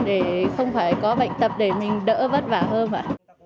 để không phải có bệnh tập để mình đỡ vất vả hơn ạ